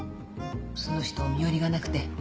その人身寄りがなくて。